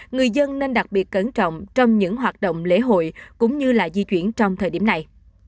người dân nên đặc biệt cẩn trọng trong những hoạt động lễ hội cũng như là di chuyển trong thời điểm này